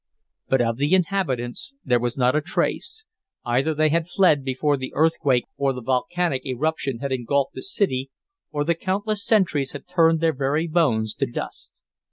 But of the inhabitants, there was not a trace: either they had fled before the earthquake or the volcanic eruption had engulfed the city, or the countless centuries had turned their very bones to dust.